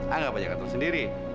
ah gak apa apa kantor sendiri